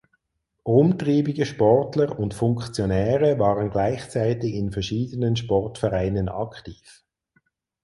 Umtriebige Sportler und Funktionäre waren gleichzeitig in verschiedenen Sportvereinen aktiv.